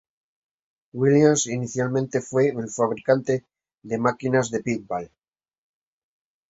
Williams inicialmente fue un fabricante de máquinas de pinball.